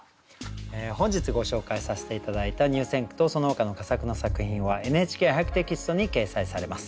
本日ご紹介させて頂いた入選句とそのほかの佳作の作品は「ＮＨＫ俳句」テキストに掲載されます。